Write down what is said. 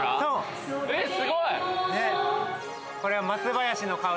すごい！